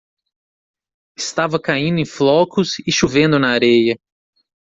Estava caindo em flocos e chovendo na areia.